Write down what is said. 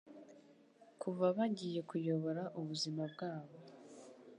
Kuva bagiye kuyobora ubuzima bwabo